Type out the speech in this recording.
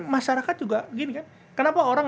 masyarakat juga gini kan kenapa orang